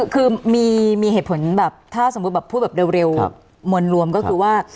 คือมีเหตุผลแบบถ้าสมมุติแบบพูดแบบเร็วมวลรวมก็คือว่า